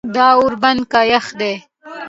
دا ور بند که یخ دی.